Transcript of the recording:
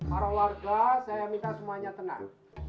para warga saya minta semuanya tenang